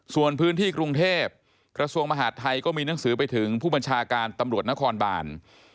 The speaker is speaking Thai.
ส่วนพื้นที่กรุงเทพกระทรวงมหาดไทยก็มีหนังสือไปถึงผู้บัญชาการตำรวจนครบาน